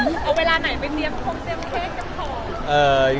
เอาเวลาไหนไปเรียมคงเตรียมเค้กกันก่อน